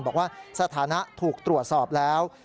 บอกว่าสถานะถูกตรวจสอบแล้ว